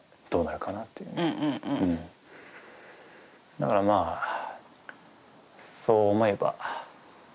だからまあそう思えば。